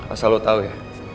asal lo tau ya